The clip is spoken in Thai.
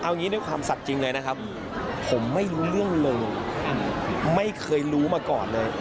เอางี้ด้วยความสัตว์จริงเลยนะครับผมไม่รู้เรื่องเลยไม่เคยรู้มาก่อนเลย